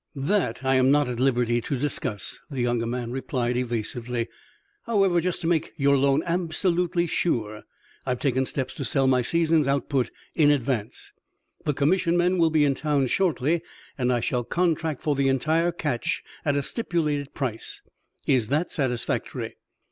"That I am not at liberty to discuss," the younger man replied, evasively. "However, just to make your loan absolutely sure, I have taken steps to sell my season's output in advance. The commission men will be in town shortly, and I shall contract for the entire catch at a stipulated price. Is that satisfactory?"